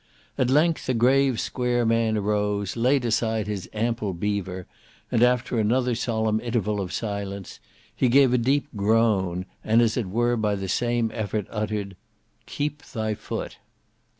At length a grave square man arose, laid aside his ample beaver, and after another solemn interval of silence, he gave a deep groan, and as it were by the same effort uttered, "Keep thy foot."